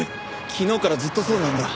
昨日からずっとそうなんだ。